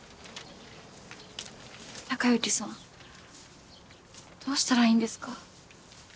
孝之さんどうしたらいいんですか？